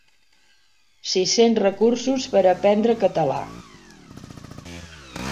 Sis-cents recursos per aprendre català .